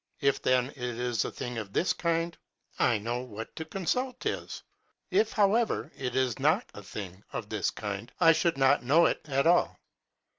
If then it is a thing of this kind, I know what to consult is ; if however it is not a thing of this kind, I should not know it at all.